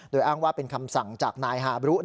โดยอ้างว่าเป็นคำสั่งจากนายฮาบรุ